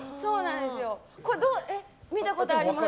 見たことあります？